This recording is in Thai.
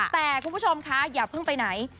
แต่คุณผู้ชมคะอย่าเพิ่งไปไหน